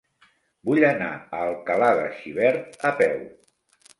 Vull anar a Alcalà de Xivert a peu.